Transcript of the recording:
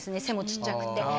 背もちっちゃくって。